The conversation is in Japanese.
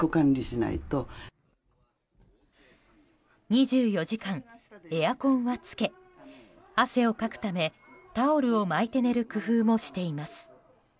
２４時間エアコンはつけ汗をかくためタオルを巻いて寝る工夫もしています。